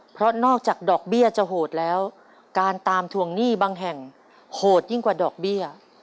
เพราะนอกจากดอกเบี้ยจะโหดแล้วการตามทวงหนี้บางแห่งโหดยิ่งกว่าดอกเบี้ย